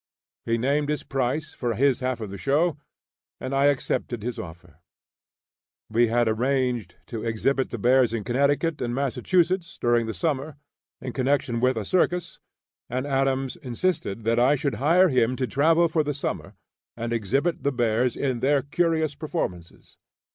He named his price for his half of the "show," and I accepted his offer. We had arranged to exhibit the bears in Connecticut and Massachusetts during the summer, in connection with a circus, and Adams insisted that I should hire him to travel for the summer, and exhibit the bears in their curious performances.